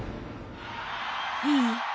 いい？